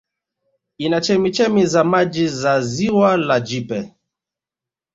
Ina chemchemi za maji za Ziwa la Jipe